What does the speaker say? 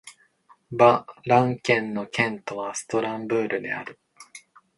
バ＝ラン県の県都はストラスブールである